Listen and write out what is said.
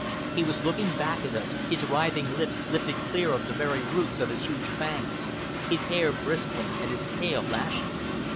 He was looking back at us, his writhing lips lifted clear of the very roots of his huge fangs, his hair bristling and his tail lashing.